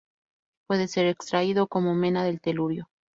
Puede ser extraído como mena del telurio.